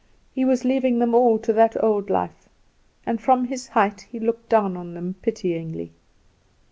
He was leaving them all to that old life, and from his height he looked down on them pityingly.